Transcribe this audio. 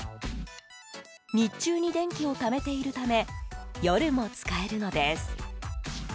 日中に電気をためているため夜も使えるのです。